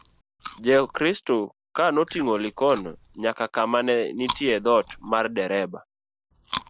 jokristo ka notingo Likono nyaka ka ma ne nitie dhot mar dereba